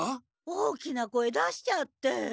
大きな声出しちゃって。